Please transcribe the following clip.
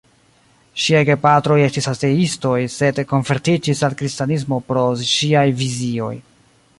Ŝiaj gepatroj estis ateistoj, sed konvertiĝis al kristanismo pro ŝiaj vizioj.